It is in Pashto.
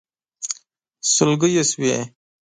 سلګۍ يې شوې.